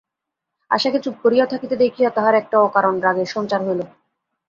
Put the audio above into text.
আশাকে চুপ করিয়া থাকিতে দেখিয়া তাহার একটা অকারণ রাগের সঞ্চার হইল।